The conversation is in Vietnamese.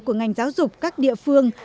của ngành giáo dục các địa phương